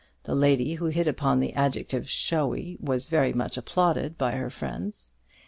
The lady who hit upon the adjective "showy" was very much applauded by her friends.